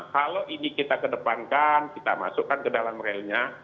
kalau ini kita kedepankan kita masukkan ke dalam relnya